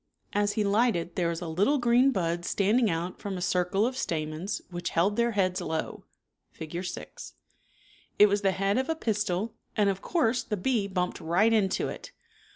As he lighted there was a litUe green bud standing out from a circle of stamens which held their heads low (Fig, 6). It was the head of a pistil, and of course the bee bumped right into it.